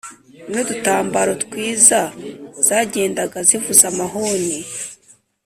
n’udutambaro twiza zagendaga zivuza amahoni.